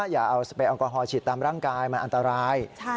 อย่าเอาสเปรแอลกอฮอลฉีดตามร่างกายมันอันตราย